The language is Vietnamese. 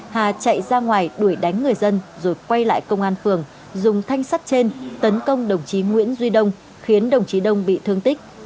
hà chạy ra ngoài đuổi đánh người dân rồi quay lại công an phường dùng thanh sắt trên tấn công đồng chí nguyễn duy đông khiến đồng chí đông bị thương tích